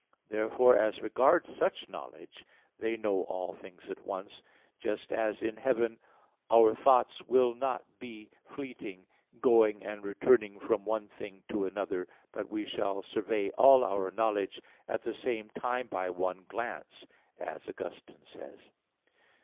Therefore, as regards such knowledge, they know all things at once: just as in heaven "our thoughts will not be fleeting, going and returning from one thing to another, but we shall survey all our knowledge at the same time by one glance," as Augustine says (De Trin.